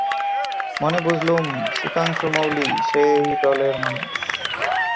মনে বুঝলুম, সিতাংশুমৌলী সেই দলের মানুষ।